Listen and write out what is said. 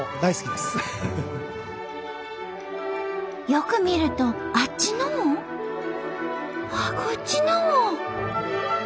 よく見るとあっちのもこっちのも。